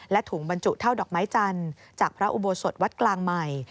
ถุงบรรจุเท่าดอกไม้จันทร์จากพระอุโบสถวัดกลางใหม่